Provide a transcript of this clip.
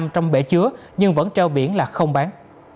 trong bể chứa nhưng vẫn treo biển là không bán